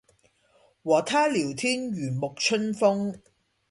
和他聊天如淋春風